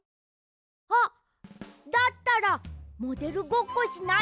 あっだったらモデルごっこしない？